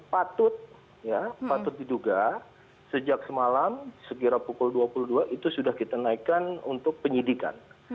patut ya patut diduga sejak semalam sekira pukul dua puluh dua itu sudah kita naikkan untuk penyidikan